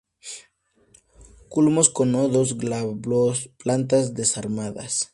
Culmos con nodos glabros. Plantas desarmadas.